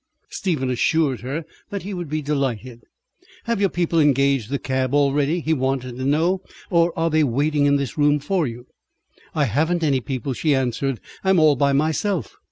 Stephen assured her that he would be delighted. "Have your people engaged the cab already," he wanted to know, "or are they waiting in this room for you?" "I haven't any people," she answered. "I'm all by myself."